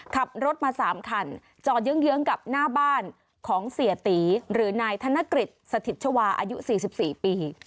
ขับรถมา๓คันจอดเยื้องกับหน้าบ้านของเสียตีหรือนายธนกฤษสถิตชวาอายุ๔๔ปี